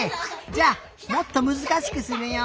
じゃあもっとむずかしくするよ。